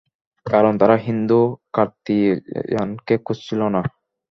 কারণ তারা হিন্দু কার্তিকেয়ানকে খুঁজছিল না।